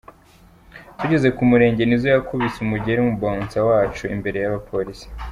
Tugeze ku murenge, Nizzo yakubise umugeri umubawunsa wacu imbere y’abapolisi.